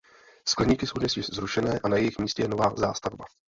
Skleníky jsou dnes již zrušené a na jejich místě je nová zástavba.